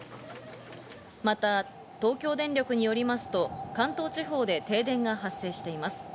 また東京電力によりますと関東地方で停電が発生しています。